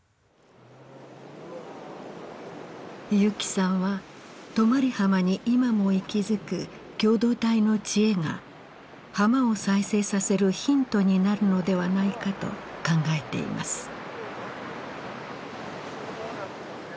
結城さんは泊浜に今も息づく共同体の知恵が浜を再生させるヒントになるのではないかと考えています。